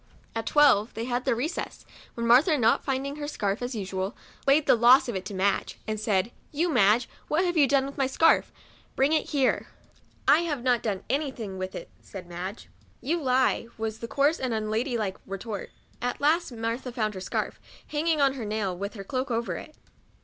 At twelve they had their recess, when Martha, not finding her scarf as usual, laid the loss of it to Madge, and said, " You, Madge, what have you done with my scarf? bring it here." " I have not clone any thing with it," said Madge. " You lie," was the coarse and unladylike retort. At last Martha found her scarf, hanging on her nail, with her cloak over it.